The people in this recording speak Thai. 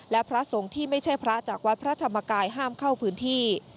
และพระสงฆ์ที่ไม่ใช่พระจากวัดพระธรรมกายห้ามเข้าพื้นที่